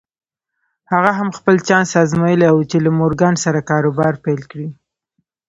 هغه هم خپل چانس ازمايلی و چې له مورګان سره کاروبار پيل کړي.